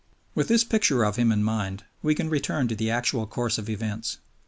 With this picture of him in mind, we can return to the actual course of events.